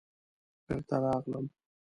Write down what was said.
بېرته راغلم.